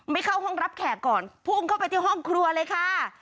เข้าห้องรับแขกก่อนพุ่งเข้าไปที่ห้องครัวเลยค่ะ